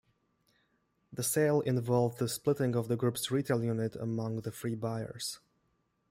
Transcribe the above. The sale involved the splitting of the group's retail unit among the three buyers.